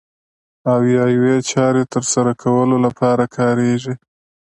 او یا یوې چارې ترسره کولو لپاره کاریږي.